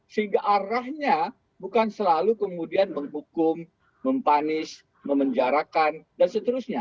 sehingga arahnya bukan selalu kemudian menghukum mempanis memenjarakan dan seterusnya